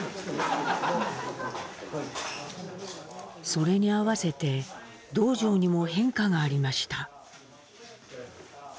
それにあわせて洞場にも変化がありました。